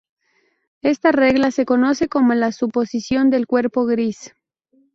Esta regla se conoce como la "suposición del cuerpo gris".